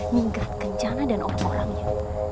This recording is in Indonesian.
minggrat kencana dan orang orangnya